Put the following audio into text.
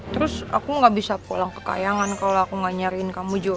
terus aku gak bisa pulang ke kayangan kalau aku gak nyariin kamu juga